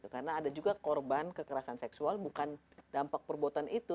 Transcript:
karena ada juga korban kekerasan seksual bukan dampak perbuatan itu